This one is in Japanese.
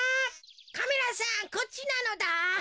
カメラさんこっちなのだ。